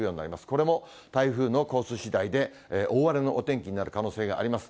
これも台風のコースしだいで大荒れのお天気になる可能性があります。